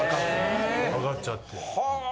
上がっちゃって。